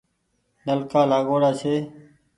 نلڪآ لآگوڙآ ڇي